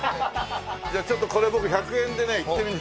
じゃあちょっとこれ僕１００円でねいってみる。